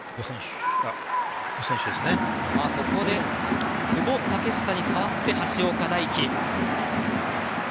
ここで、久保建英に代わって橋岡大樹。